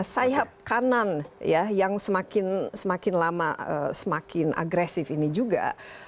sayap kanan ya yang semakin lama semakin agresif ini juga